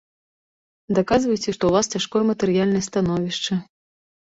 Даказвайце, што ў вас цяжкое матэрыяльнае становішча.